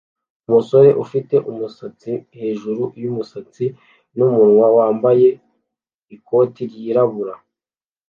umusore ufite umusatsi hejuru yumusatsi numunwa wambaye ikoti ryirabura